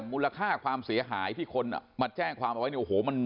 มูลค่าความเสียหายที่คนมาแจ้งความเอาไว้เนี่ยโอ้โหมัน